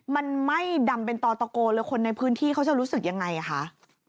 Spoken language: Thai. มันไหม้ดำเป็นต่อตะโกเลยคนในพื้นที่เขาจะรู้สึกยังไงคะ